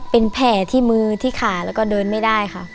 เป็นแผลที่มือที่ขาแล้วก็เดินไม่ได้ค่ะ